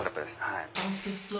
はい。